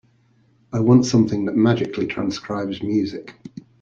I want something that magically transcribes music.